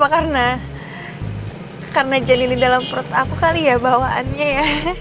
karena jelili dalam perut aku kali ya bawaannya ya